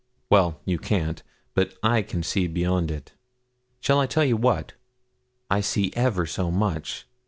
Well, you can't; but I can see beyond it shall I tell you what? I see ever so much.